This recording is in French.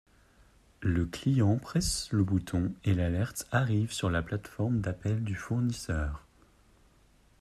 Le client presse le bouton et l'alerte arrive sur la plateforme d'appel du fournisseur.